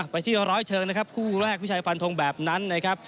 ไปที่ร้อยเชิงคู่แรกพี่ชายฟันธงแบบนั้น